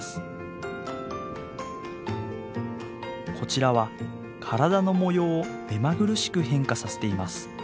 こちらは体の模様を目まぐるしく変化させています。